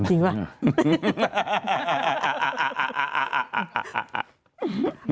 จริงเปล่า